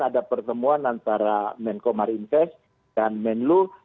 ada pertemuan antara menkomar invest dan menlu